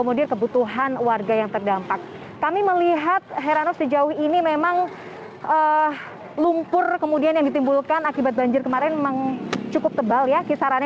pondok gede permai jatiasi pada minggu pagi